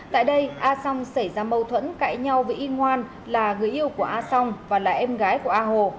tại đây a song xảy ra mâu thuẫn cãi nhau với y ngoan là người yêu của a song và là em gái của a hồ